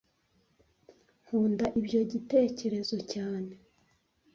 nkunda ibyo gitekerezo cyane.